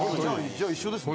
じゃあ一緒ですね。